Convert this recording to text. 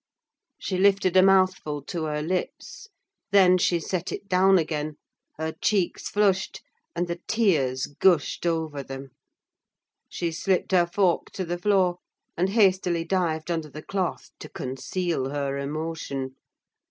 She lifted a mouthful to her lips: then she set it down again: her cheeks flushed, and the tears gushed over them. She slipped her fork to the floor, and hastily dived under the cloth to conceal her emotion.